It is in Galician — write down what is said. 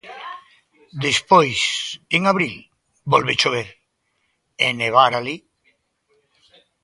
Despois, en abril volve chover e nevar alí.